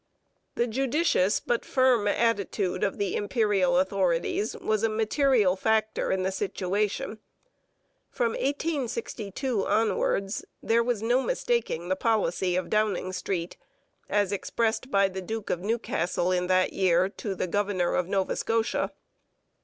The judicious but firm attitude of the Imperial authorities was a material factor in the situation. From 1862 onwards there was no mistaking the policy of Downing Street, as expressed by the Duke of Newcastle in that year to the governor of Nova Scotia.